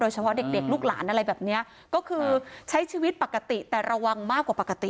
เฉพาะเด็กเด็กลูกหลานอะไรแบบนี้ก็คือใช้ชีวิตปกติแต่ระวังมากกว่าปกติ